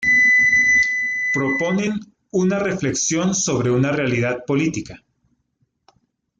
Proponen una reflexión sobre una realidad política.